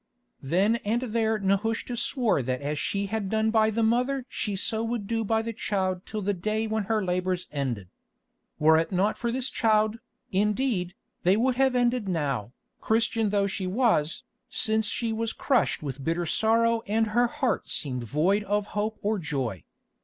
Then and there Nehushta swore that as she had done by the mother she so would do by the child till the day when her labours ended. Were it not for this child, indeed, they would have ended now, Christian though she was, since she was crushed with bitter sorrow and her heart seemed void of hope or joy.